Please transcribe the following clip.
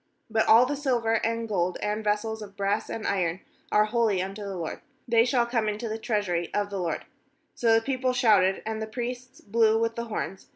19But all the silver, and gold, and vessels of brass and iron, are holy unto the LORD; they shall come into the treasury of the LORD/ 20So the people shouted, and [the priests] blew with the horns.